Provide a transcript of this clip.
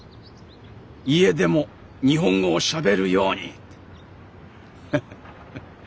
「家でも日本語をしゃべるように」って。ハハハ。